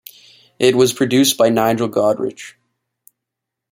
It was produced by Nigel Godrich.